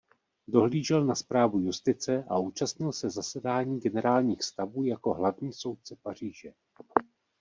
Dohlížel na správu justice a účastnil se zasedání generálních stavů jako hlavní soudce Paříže.